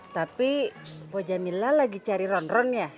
tapi poh jamilah lagi cari ronron ya